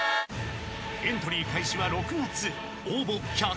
［エントリー開始は６月］